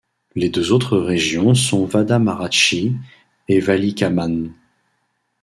Les deux autres régions sont Vadamarachchi et Valikamam.